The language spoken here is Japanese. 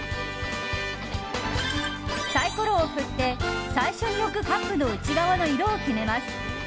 サイコロを振って最初に置くカップの内側の色を決めます。